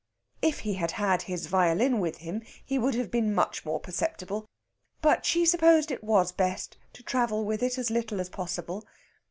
If he had had his violin with him, he would have been much more perceptible. But she supposed it was best to travel with it as little as possible.